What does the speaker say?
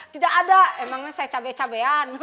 tidak ada emangnya saya cabe cabean